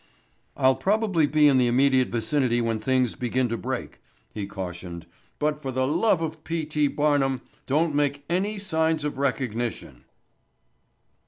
"I'll probably be in the immediate vicinity when things begin to break," he cautioned, "but for the love of P. T. Barnum don't make any signs of recognition."